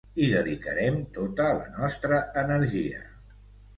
Hi dedicarem tota la nostra energia.